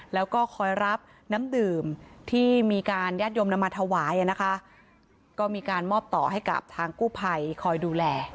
แล้วก็คอยรับน้ำดื่มที่มีการญาติโยมนำมาถวายนะคะก็มีการมอบต่อให้กับทางกู้ภัยคอยดูแล